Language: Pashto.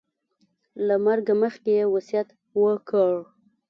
له مرګه مخکې یې وصیت وکړ.